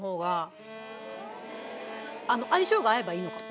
相性が合えばいいのかも。